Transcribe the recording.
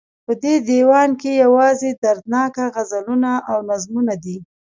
په دې ديوان کې يوازې دردناک غزلونه او نظمونه دي